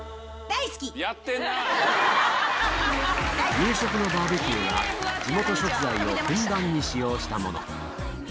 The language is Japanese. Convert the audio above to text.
夕食のバーベキューは地元食材をふんだんに使用したもの